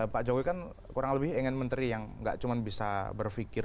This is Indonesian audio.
pak jokowi kan kurang lebih ingin menteri yang nggak cuma bisa berpikir